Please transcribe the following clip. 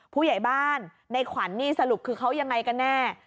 ผู้ใหญ่บ้านในขวัญนี่สรุปคือเขายังไงกันแน่